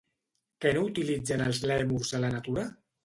Què no utilitzen els lèmurs a la natura?